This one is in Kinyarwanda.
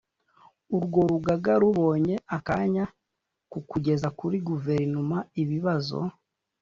urwo rugaga rubonye akanya ko kugeza kuri Guverinoma ibibazo